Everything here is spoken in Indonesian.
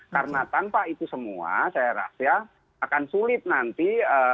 karena tanpa itu semua saya rasa akan sulit nanti